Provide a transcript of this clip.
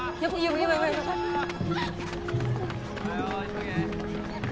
急げ。